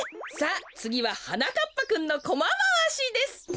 さあつぎははなかっぱくんのコマまわしです。